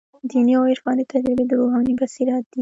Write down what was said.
دیني او عرفاني تجربې د روحاني بصیرت دي.